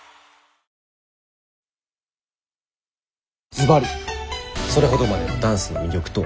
ずばりそれほどまでのダンスの魅力とは？